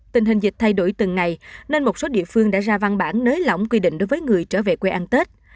tình hình dịch thay đổi từng ngày nên một số địa phương đã ra văn bản nới lỏng quy định đối với người trở về quê ăn tết